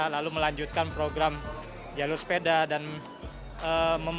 lalu melanjutkan program jalur sepeda dan memperbaiki